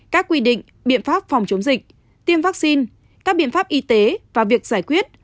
các quy định biện pháp phòng chống dịch tiêm vaccine các biện pháp y tế và việc giải quyết